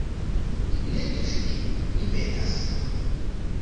Ne tuŝu ĝin, mi petas.